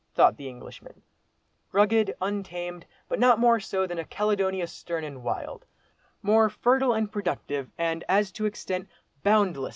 thought the Englishman, "rugged, untamed, but not more so than 'Caledonia stern and wild,' more fertile and productive, and as to extent—boundless.